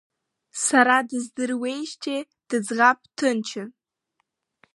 Сара дыздыруеижьҭеи дыӡӷаб ҭынчын.